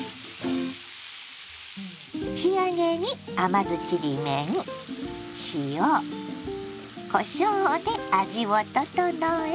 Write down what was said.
仕上げに甘酢ちりめん塩こしょうで味を調え。